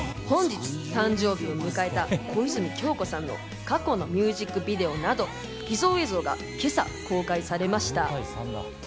本日誕生日を迎えた小泉今日子さんの過去のミュージックビデオなど秘蔵映像が今朝公開されました。